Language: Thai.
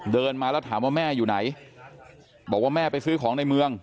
เดินมาแล้วถามว่าแม่อยู่ไหนบอกว่าแม่ไปซื้อของในเมือง